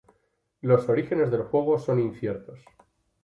Los orígenes del Juego son inciertos.